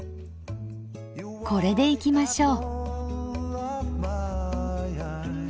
これでいきましょう。